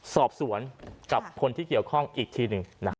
สอบสวนกับคนที่เกี่ยวข้องอีกทีหนึ่ง